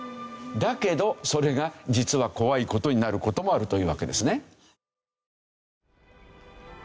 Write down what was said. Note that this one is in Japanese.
だけどそれが実は怖い事になる事もあるというわけですね。